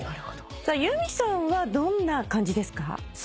結海さんはどんな感じですか？